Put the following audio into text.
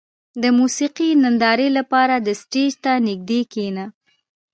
• د موسیقۍ نندارې لپاره د سټېج ته نږدې کښېنه.